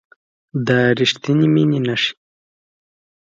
د ریښتینې مینې نښې